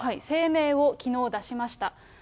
声明をきのう出しました。